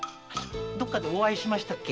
どこかでお会いしましたっけ？